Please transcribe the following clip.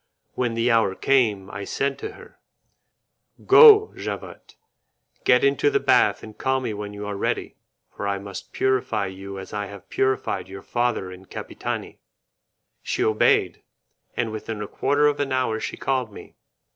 When the hour came, I said to her, "Go, Javotte, get into the bath and call me when you are ready, for I must purify you as I have purified your father and Capitani." She obeyed, and within a quarter of an hour she called me.